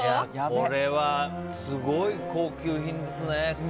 これはすごい高級品ですね。